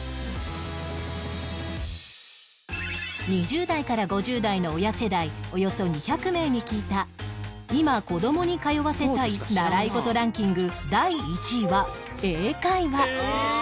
２０代から５０代の親世代およそ２００名に聞いた今子どもに通わせたい習い事ランキング第１位は